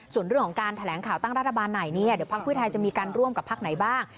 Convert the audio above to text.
ส่วนเรื่องของการแถลงข่าวตั้งรัฐบาลไหนเนี่ยเดี๋ยวพักเพื่อไทยจะมีการร่วมกับพักไหนบ้าง